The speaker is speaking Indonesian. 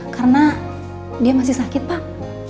karena dia masih sakit pak